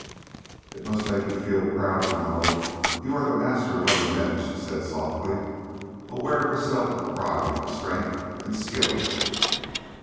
"It must make you feel proud to know you are the master of other men," she said softly, aware herself of pride in the strength and skill of him.